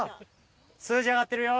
数字上がってるよ